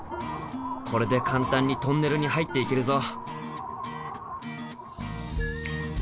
これで簡単にトンネルに入っていけるぞ。